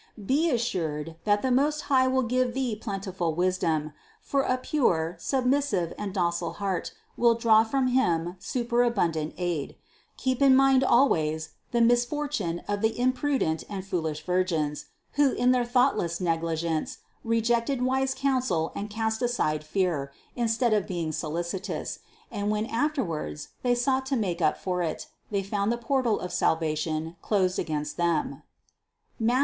Be assured, that the Most High will give thee plentiful wisdom; for THE CONCEPTION 425 a pure submissive and docile heart will draw from Him superabundant aid. Keep in mind always the misfor tune of the imprudent and foolish virgins, who, in their thoughtless negligence, rejected wise counsel and cast aside fear, instead of being solicitous; and when after wards they sought to make up for it, they found the portal of salvation closed against them (Matth.